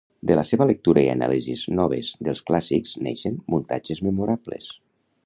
De la seva lectura i anàlisis noves dels clàssics neixen muntatges memorables.